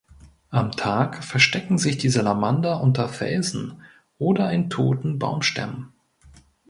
Am Tag verstecken sich die Salamander unter Felsen oder in toten Baumstämmen.